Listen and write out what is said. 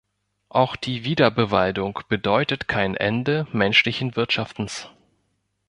Auch die Wiederbewaldung bedeutet kein Ende menschlichen Wirtschaftens.